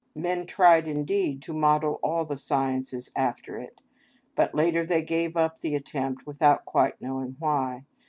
Men tried indeed to model all the sciences after it, but later they gave up the attempt without quite knowing why.